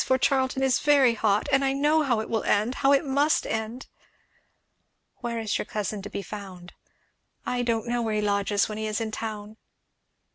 for Charlton is very hot, and I know how it will end how it must end " "Where is your cousin to be found?" "I don't know where he lodges when he is in town."